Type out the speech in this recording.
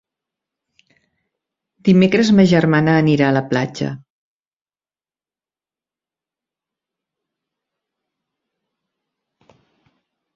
Dimecres ma germana anirà a la platja.